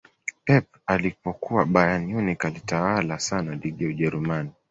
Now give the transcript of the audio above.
pep alipokuwa bayern munich alitawala sana ligi ya ujerumani